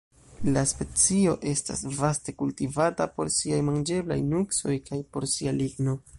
La specio estas vaste kultivata por siaj manĝeblaj nuksoj kaj por sia ligno.